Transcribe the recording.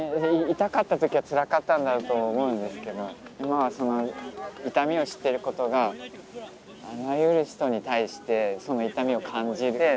痛かった時はつらかったんだろうと思うんですけど今はその痛みを知ってることがあらゆる人に対してその痛みを感じて。